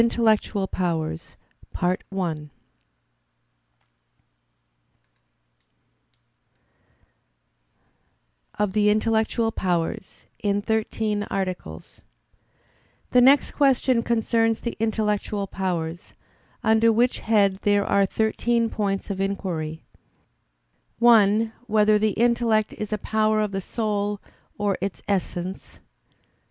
_______________________ QUESTION 79 OF THE INTELLECTUAL POWERS (In Thirteen Articles) The next question concerns the intellectual powers, under which head there are thirteen points of inquiry: (1) Whether the intellect is a power of the soul, or its essence?